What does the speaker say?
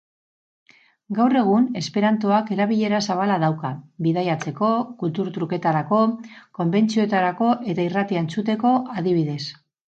Gaur egun esperantoak erabilera zabala dauka: bidaiatzeko, kultur trukeetarako, konbentzioetarako eta irratia entzuteko adibidez.